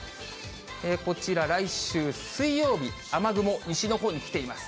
こちら、来週水曜日、雨雲、西のほうに来ています。